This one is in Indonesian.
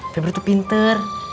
febri tuh pinter